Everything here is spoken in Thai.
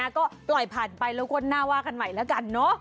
ก็ปล่อยผ่านไปแล้วก็หน้าว่ากันใหม่แล้วกันเนอะ